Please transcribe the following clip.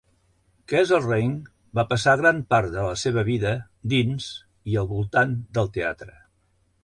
Kesselring va passar gran part de la seva vida dins i al voltant del teatre.